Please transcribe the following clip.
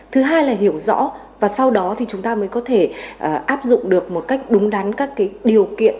thứ hai là hiểu rõ và sau đó thì chúng ta mới có thể áp dụng được một cách đúng đắn các điều kiện